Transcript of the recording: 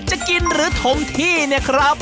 ถ้าถมที่เนี่ยครับ